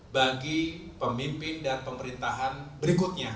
bagi pemimpin dan pemerintahan berikutnya